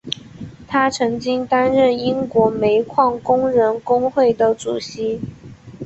他曾经担任英国煤矿工人工会的主席。